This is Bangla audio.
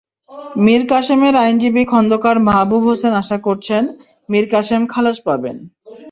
মীর কাসেমের আইনজীবী খন্দকার মাহবুব হোসেন আশা করছেন, মীর কাসেম খালাস পাবেন।